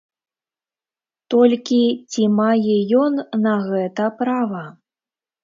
Толькі ці мае ён на гэта права?